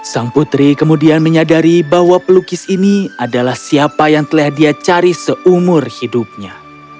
sang putri kemudian menyadari bahwa pelukis ini adalah siapa yang telah dia cari seumur hidupnya